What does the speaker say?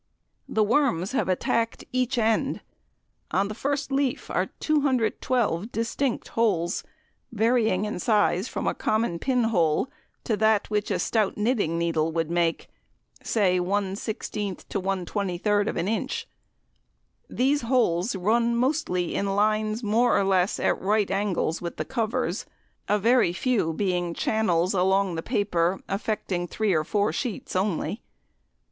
The "worms" have attacked each end. On the first leaf are 212 distinct holes, varying in size from a common pin hole to that which a stout knitting needle would make, say, <1/16> to <1/23> inch. These holes run mostly in lines more or less at right angles with the covers, a very few being channels along the paper affecting three or four sheets only.